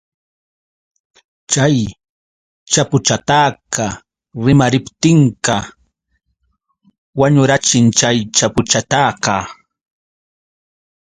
Chay chapuchataqa rimariptinqa wañurachin chay chapuchataqa.